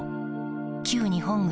旧日本軍